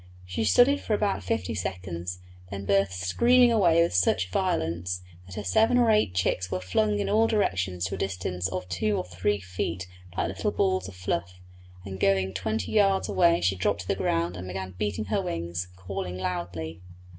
She stood it for about fifty seconds, then burst screaming away with such violence that her seven or eight chicks were flung in all directions to a distance of two or three feet like little balls of fluff; and going twenty yards away she dropped to the ground and began beating her wings, calling loudly.